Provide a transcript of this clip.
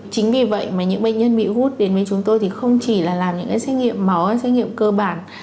chính vì vậy mà những bệnh nhân bị gút đến với chúng tôi thì không chỉ là làm những cái xét nghiệm máu xét nghiệm cơ bản